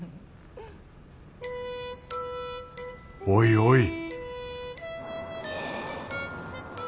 おいおい